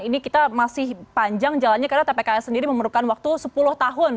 ini kita masih panjang jalannya karena tpks sendiri memerlukan waktu sepuluh tahun